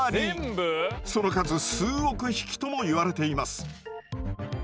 その数数億匹ともいわれています。